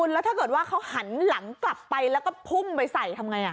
แล้วถ้าเกิดว่าเขาหันหลังกลับไปแล้วก็พุ่งไปใส่ทำไง